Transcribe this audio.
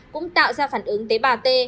cũng tạo ra phản ứng tế bào t